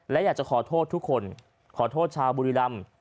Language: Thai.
และอยากจะขอโทษทุกคนขอโทษชาวบุรีรำ